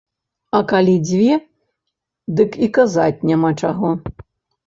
А калі дзве, дык і казаць няма чаго.